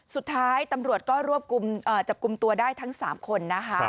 สุดท้ายตำรวจก็รวบจับกลุ่มตัวได้ทั้ง๓คนนะคะ